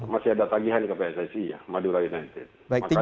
masih ada tagihan ke pssi ya madura united